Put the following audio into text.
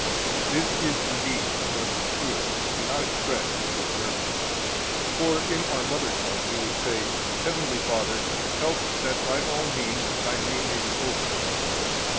36 This is, indeed, somewhat obscure, and not expressed in good German, for in our mother tongue we would say: Heavenly Father, help that by all means Thy name may be holy.